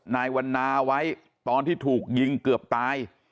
นายวันนาไว้ตอนที่ถูกยิงเกือบตาย